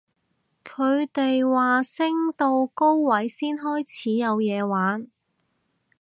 佢哋話升到高位先開始有嘢玩